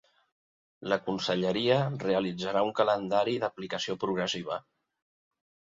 La conselleria realitzarà un calendari d’aplicació progressiva.